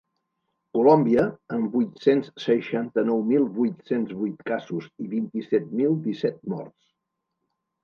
Colòmbia, amb vuit-cents seixanta-nou mil vuit-cents vuit casos i vint-i-set mil disset morts.